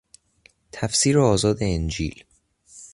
تفسیر آزاد انجیل